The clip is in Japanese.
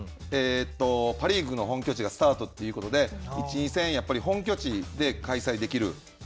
パ・リーグの本拠地がスタートということで、１、２戦、本拠地で開催できる。